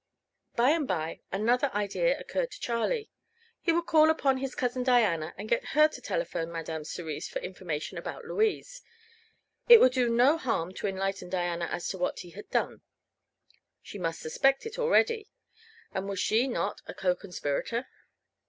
By and bye another idea occurred to Charlie. He would call upon his cousin Diana, and get her to telephone Madame Cerise for information about Louise. It would do no harm to enlighten Diana as to what he had done. She must suspect it already; and was she not a co conspirator?